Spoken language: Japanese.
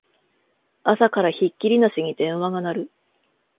朝からひっきりなしに電話が鳴る